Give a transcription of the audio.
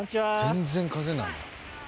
全然風ない。